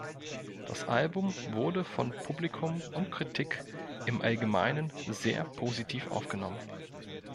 Das Album wurde von Publikum und Kritik im Allgemeinen sehr positiv aufgenommen.